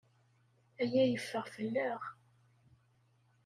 Aya yeffeɣ fell-aɣ.